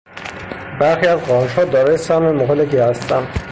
برخی از قارچها دارای سم مهلکی هستند.